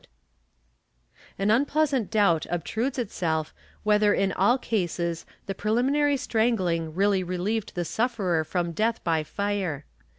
IV] PERTINACITY 195 An unpleasant doubt obtrudes itself whether in all cases the preliminary strangling really relieved the sufferer from death by fire.